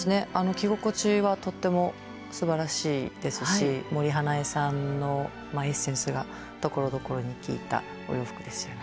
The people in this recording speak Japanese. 着心地はとってもすばらしいですし森英恵さんのエッセンスがところどころに効いたお洋服ですよね。